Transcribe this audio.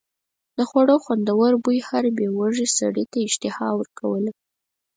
د خوړو خوندور بوی هر بې وږي سړي ته اشتها ورکوله.